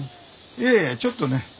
いやいやちょっとね。